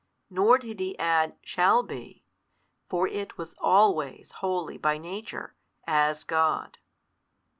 Nor did he add shall be, for It was always Holy by Nature, as God.